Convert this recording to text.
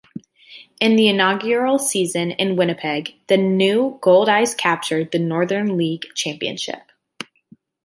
In their inaugural season in Winnipeg, the new Goldeyes captured the Northern League championship.